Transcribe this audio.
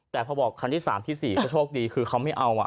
แต่พอบอกคันที่สามที่สี่โชคดีอ่ะคือเค้าไม่เอาอ่ะ